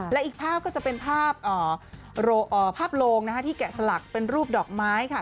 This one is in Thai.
และอีกภาพก็จะเป็นภาพโลงที่แกะสลักเป็นรูปดอกไม้ค่ะ